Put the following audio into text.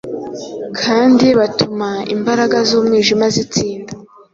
kandi batuma imbaraga z’umwijima zitsinda.